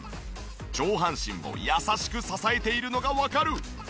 上半身を優しく支えているのがわかる！